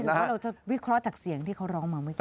เห็นไหมว่าเราจะวิเคราะห์จากเสียงที่เค้าร้องมาไหม